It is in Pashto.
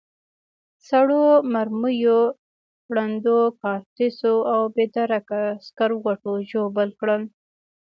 سړو مرمیو، ړندو کارتوسو او بې درکه سکروټو ژوبل کړي.